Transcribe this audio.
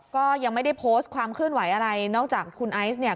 ก็ยังไม่ได้โพสต์ความเคลื่อนไหวอะไรนอกจากคุณไอซ์เนี่ย